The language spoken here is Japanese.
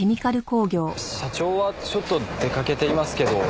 社長はちょっと出掛けていますけど。